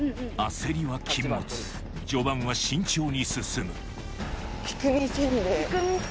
焦りは禁物序盤は慎重に進む菊見せんべい。